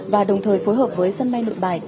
và đồng thời phối hợp với sân bay nội bài